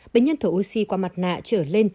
bệnh nhân thử oxy qua mặt nạ trở lên